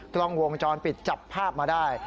กล้องวงจรปิดจับภาพมาได้